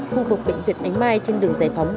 khu vực bệnh viện ánh mai trên đường giải phóng